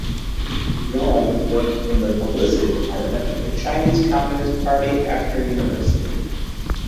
Gong worked in the Publicity Department of the Chinese Communist Party after university.